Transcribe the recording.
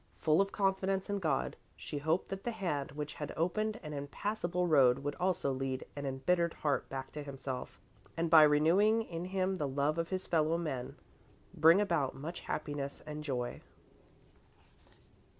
Full of confidence in God, she hoped that the hand which had opened an impassable road would also lead an embittered heart back to himself, and by renewing in him the love of his fellowmen, bring about much happiness and joy.